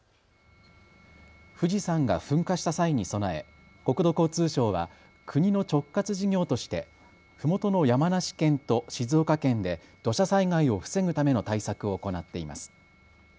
富士山が噴火した際に備え国土交通省は国の直轄事業としてふもとの山梨県と静岡県で土砂災害を防ぐための対策を行っています。